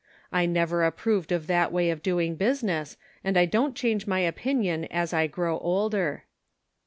I never approved of that way of doing business, and I don't change my opinion as I grow older."